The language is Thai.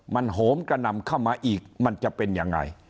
มันโหมกระหน่ำเข้ามาอีกมันจะเป็นยังไง